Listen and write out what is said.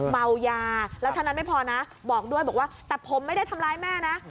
เมายาแล้วเท่านั้นไม่พอนะบอกด้วยบอกว่าแต่ผมไม่ได้ทำร้ายแม่นะ